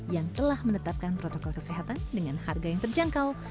yang telah menetapkan protokol kesehatan dengan harga yang terjangkau